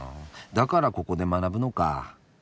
だからここで学ぶのか。